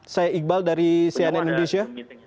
saya iqbal dari cnn indonesia